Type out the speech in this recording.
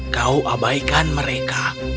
kau abaikan mereka